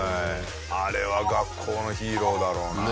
あれは学校のヒーローだろうな。